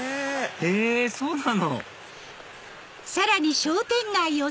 へぇそうなの？